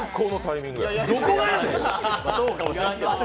どこがやねん！